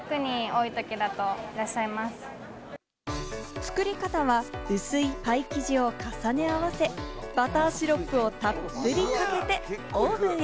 作り方は、薄いパイ生地を重ね合わせ、バターシロップをたっぷりかけてオーブンへ。